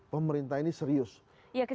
pemerintah ini serius ya